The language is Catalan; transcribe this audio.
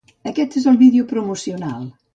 Aquest és el vídeo promocional.